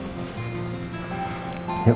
terima kasih pak